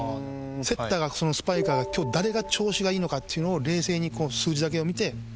セッターがスパイカーが今日誰が調子がいいのかっていうのを冷静に数字だけを見て。